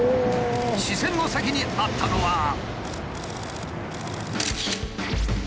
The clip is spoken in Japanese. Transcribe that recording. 視線の先にあったのは。